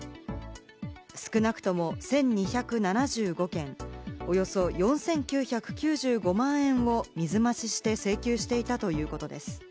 少なくとも１２７５件、およそ４９９５万円を水増しして請求していたということです。